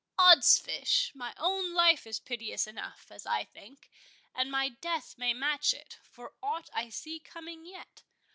Odds fish, my own life is piteous enough, as I think; and my death may match it, for aught I see coming yet.